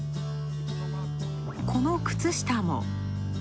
この靴下も。